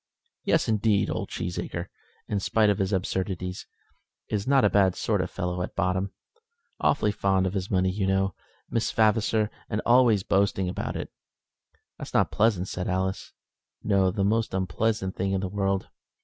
"Yes, indeed. Old Cheesacre, in spite of his absurdities, is not a bad sort of fellow at bottom; awfully fond of his money, you know, Miss Vavasor, and always boasting about it." "That's not pleasant," said Alice. "No, the most unpleasant thing in the world.